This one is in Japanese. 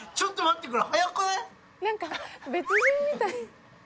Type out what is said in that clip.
ちょっと待ってくれ。